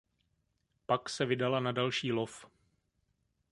Pak se vydala na další lov.